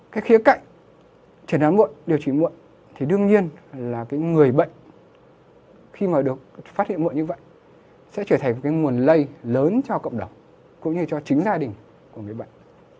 cái khía cạnh chẩn đoán muộn điều trị muộn thì đương nhiên là cái người bệnh khi mà được phát hiện muộn như vậy sẽ trở thành cái nguồn lây lớn cho cộng đồng cũng như cho chính gia đình của người bệnh